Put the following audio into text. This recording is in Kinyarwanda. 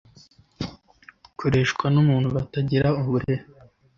ikoreshwa n’umuntu batagira uburere.